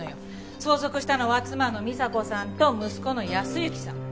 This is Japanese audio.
相続したのは妻の美沙子さんと息子の靖之さん。